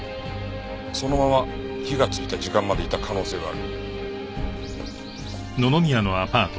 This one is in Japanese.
そのまま火がついた時間までいた可能性がある。